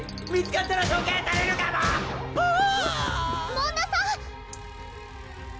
紋田さん！